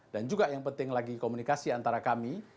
dan juga yang penting lagi komunikasi antara kami